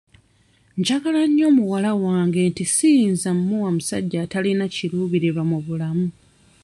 Njagala nnyo muwala wange nti siyinza mmuwa musajja atalina kiruubiriwa mu bulamu.